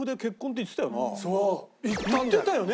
言ってたよね？